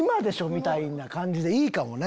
みたいな感じでいいかもね。